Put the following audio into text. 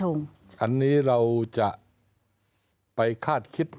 เรากำลังมามองกันว่าอะไรที่โหประชาชนรู้แล้วมันจะต้องหนาวขนาดนั้นครับพี่ทง